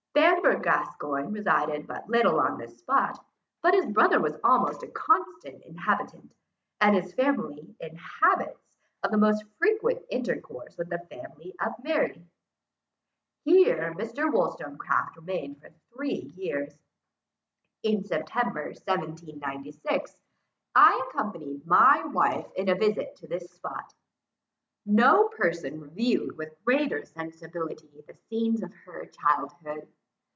Bamber Gascoyne resided but little on this spot; but his brother was almost a constant inhabitant, and his family in habits of the most frequent intercourse with the family of Mary. Here Mr. Wollstonecraft remained for three years. In September 1796, I accompanied my wife in a visit to this spot. No person reviewed with greater sensibility, the scenes of her childhood.